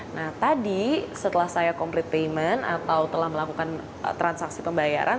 nah tadi setelah saya complit payment atau telah melakukan transaksi pembayaran